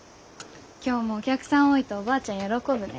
今日もお客さん多いとおばあちゃん喜ぶね。